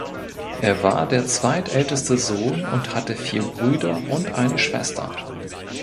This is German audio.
Er war der zweitälteste Sohn und hatte vier Brüder und eine Schwester.